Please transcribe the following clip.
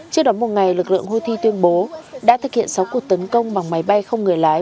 trước đó một ngày lực lượng houthi tuyên bố đã thực hiện sáu cuộc tấn công bằng máy bay không người lái